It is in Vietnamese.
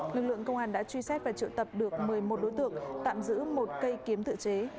lực lượng công an đã truy xét và triệu tập được một mươi một đối tượng tạm giữ một cây kiếm tự chế